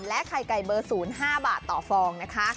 ไข่ไก่เบอร์๐๕บาทต่อฟองนะคะ